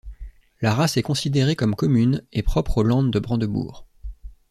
La race est considérée comme commune, et propre au land de Brandebourg.